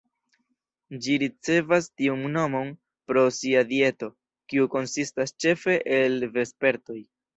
Ĝi ricevas tiun nomon pro sia dieto, kiu konsistas ĉefe el vespertoj.